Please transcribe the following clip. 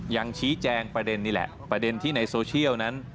ยังชี้แจงประเด็นนี่แหละประเด็นที่ในโซเชียลนั้น